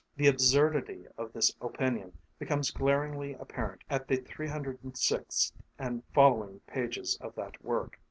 The absurdity of this opinion becomes glaringly apparent at the 306th and following pages of that work.